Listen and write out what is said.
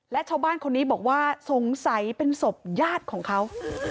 และชาวบ้านคนนี้บอกว่าสงสัยเป็นศพญาติของเขา